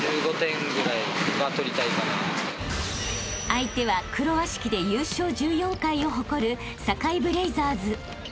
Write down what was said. ［相手は黒鷲旗で優勝１４回を誇る堺ブレイザーズ］